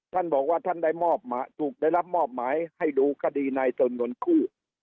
ท่านบอกว่าท่านได้ถูกได้รับมอบหมายให้ดูคดีนายเติมเงินกู้